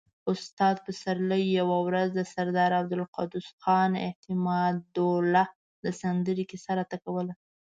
استاد پسرلي يوه ورځ د سردار عبدالقدوس خان اعتمادالدوله د سندرې کيسه راته کوله.